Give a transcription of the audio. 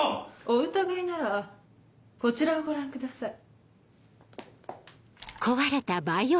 お疑いならこちらをご覧ください。